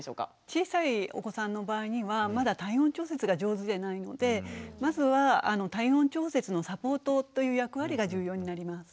小さいお子さんの場合にはまだ体温調節が上手でないのでまずは体温調節のサポートという役割が重要になります。